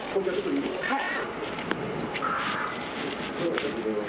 はい。